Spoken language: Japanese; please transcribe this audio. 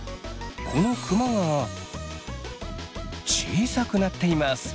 このクマが小さくなっています。